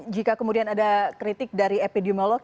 jika kemudian ada kritik dari epidemiolog